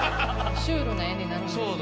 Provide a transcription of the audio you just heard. シュールな画になるんですよ。